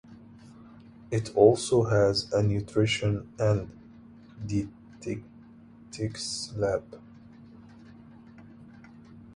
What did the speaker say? It also has a nutrition and dietetics lab.